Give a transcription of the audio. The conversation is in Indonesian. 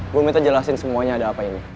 gue minta jelasin semuanya ada apa ini